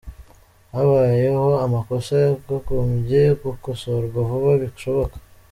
Habayeho amakosa yakogombye gukosorwa vuba bishoboka.